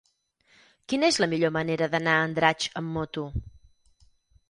Quina és la millor manera d'anar a Andratx amb moto?